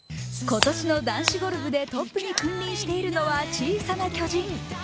今年の男子ゴルフでトップに君臨しているのは小さな巨人。